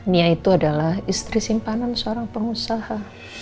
nia itu adalah istri simpanan seorang pengusaha